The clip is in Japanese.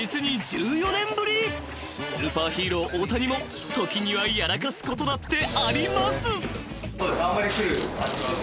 ［スーパーヒーロー大谷も時にはやらかすことだってあります］